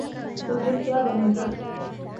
تو پھر کیابنے گا؟